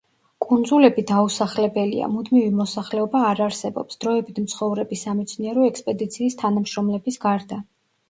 კუნძულები დაუსახლებელია, მუდმივი მოსახლეობა არ არსებობს, დროებით მცხოვრები სამეცნიერო ექსპედიციის თანამშრომლების გარდა.